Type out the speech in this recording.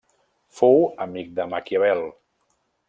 Fou amic de Maquiavel.